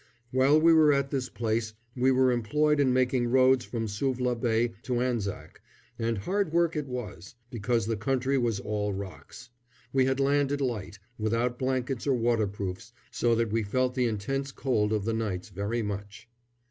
While we were at this place we were employed in making roads from Suvla Bay to Anzac, and hard work it was, because the country was all rocks. We had landed light, without blankets or waterproofs, so that we felt the intense cold of the nights very much.